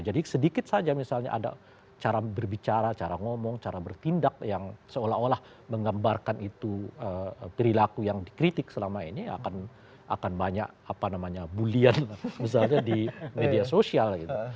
jadi sedikit saja misalnya ada cara berbicara cara ngomong cara bertindak yang seolah olah menggambarkan itu perilaku yang dikritik selama ini akan banyak apa namanya bulian misalnya di media sosial gitu